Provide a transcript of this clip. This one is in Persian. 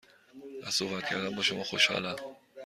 از صحبت کردن با شما خوشحالم.